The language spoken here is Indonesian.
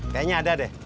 kayaknya ada deh